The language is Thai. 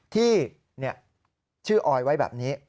ที่ชื่อออยไว้แบบนี้